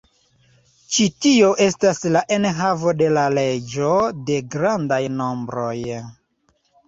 Ĉi tio estas la enhavo de la leĝo de grandaj nombroj.